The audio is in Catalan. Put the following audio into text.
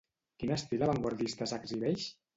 Quin estil avantguardista s'exhibeix?